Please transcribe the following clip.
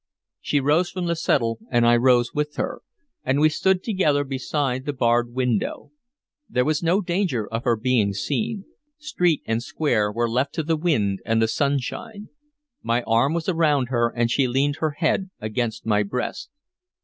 She rose from the settle, and I rose with her, and we stood together beside the barred window. There was no danger of her being seen; street and square were left to the wind and the sunshine. My arm was around her, and she leaned her head against my breast.